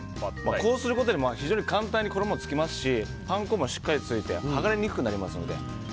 こうすることで非常に簡単に衣がつきますしパン粉もしっかりついて剥がれにくくなりますので。